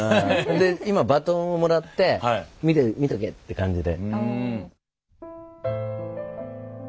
で今バトンをもらって「見とけ！」って感じで。